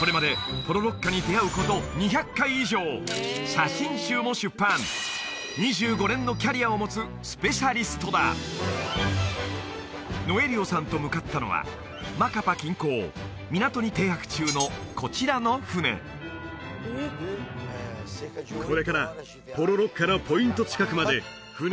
これまで写真集も出版２５年のキャリアを持つスペシャリストだノエリオさんと向かったのはマカパ近郊港に停泊中のこちらの船船長がいますうわ